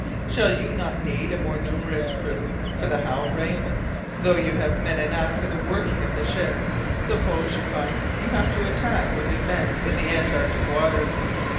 "Shall you not need a more numerous crew for the Halbrane? Though you have men enough for the working of the ship, suppose you find you have to attack or to defend in the Antarctic waters?